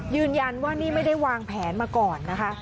ยืนยันว่านี่ไม่ได้วางแผนมาก่อนนะคะ